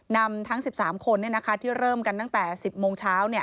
นำทั้ง๑๓คนที่เริ่มกันตั้งแต่๑๐โมงเช้า